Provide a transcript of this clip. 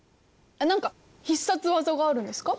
何か必殺技があるんですか？